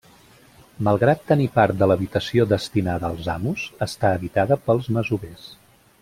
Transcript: Malgrat tenir part de l'habitació destinada als amos, està habitada pels masovers.